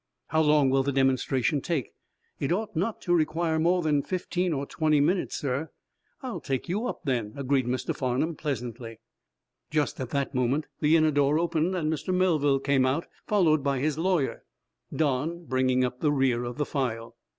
"How long will the demonstration take?" "It ought not to require more than fifteen or twenty minutes, sir." "I'll take you up, then," agreed Mr. Farnum, pleasantly. Just at that moment the inner door opened. Mr. Melville came out, followed by his lawyer, Don bringing up the rear of the file.